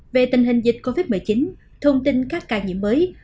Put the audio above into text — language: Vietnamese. về tình hình dịch covid một mươi chín thông tin các ca nhiễm mới